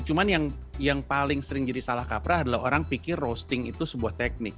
cuma yang paling sering jadi salah kaprah adalah orang pikir roasting itu sebuah teknik